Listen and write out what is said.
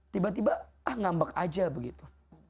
tiba tiba ah ngambak aja begitu